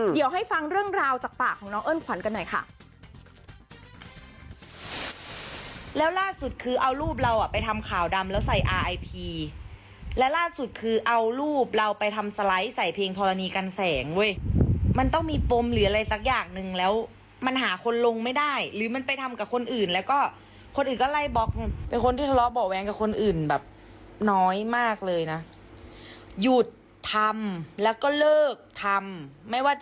เดี๋ยวให้ฟังเรื่องราวจากปากของน้องเอิ้นขวัญกันหน่อยค่ะ